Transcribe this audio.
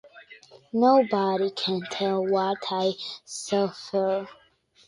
Nobody can tell what I suffer!